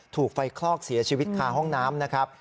ถูกไฟคลอกเสียชีวิตคาห้องน้ำนะครับ